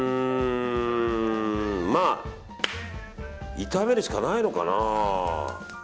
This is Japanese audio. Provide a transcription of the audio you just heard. まあ、炒めるしかないのかな。